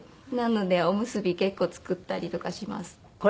なのでおむすび結構作ったりとかします。